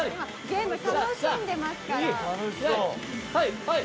全部楽しんでますから。